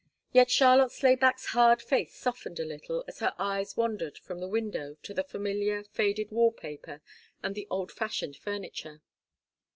Yet Charlotte Slayback's hard face softened a little as her eyes wandered from the window to the familiar, faded wall paper and the old fashioned furniture.